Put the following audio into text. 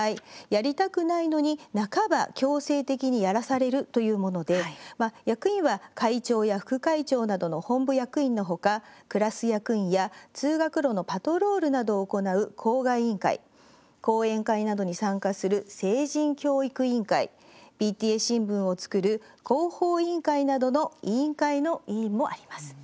やりたくないのに半ば強制的にやらされるというもので役員は、会長や副会長などの本部役員のほか、クラス役員や通学路のパトロールなどを行う校外委員会講演会などに参加する成人教育委員会ＰＴＡ新聞を作る広報委員会などの委員会の委員もあります。